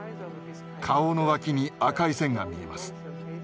顔の脇に赤い線が見えます。